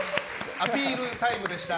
アピールタイムでした。